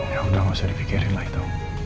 ya udah gak usah dipikirin lah itu